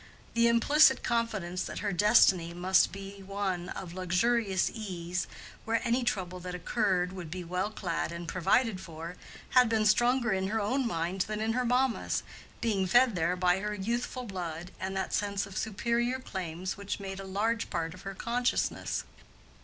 The implicit confidence that her destiny must be one of luxurious ease, where any trouble that occurred would be well clad and provided for, had been stronger in her own mind than in her mamma's, being fed there by her youthful blood and that sense of superior claims which made a large part of her consciousness.